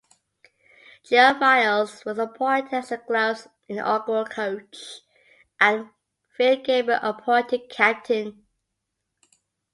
Geoff Miles was appointed as the club's inaugural coach and Phil Gilbert appointed captain.